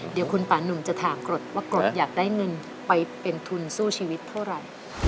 เดี๋ยวคุณป่านุ่มจะถามกรดว่ากรดอยากได้เงินไปเป็นทุนสู้ชีวิตเท่าไหร่